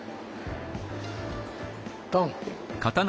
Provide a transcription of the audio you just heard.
トン。